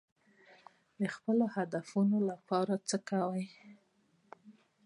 د خپلو اهدافو لپاره هڅې کوئ.